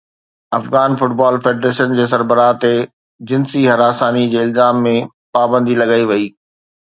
Afghan football federation جي سربراهه تي جنسي هراساني جي الزام ۾ پابندي لڳائي وئي